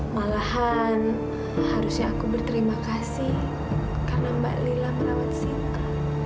malahan harusnya aku berterima kasih karena mbak lila merawat sinta